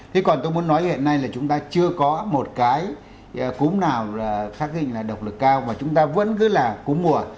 thế còn tôi muốn nói hiện nay là chúng ta chưa có một cái cúm nào là khắc ghi là độc lực cao và chúng ta vẫn cứ là cúm mùa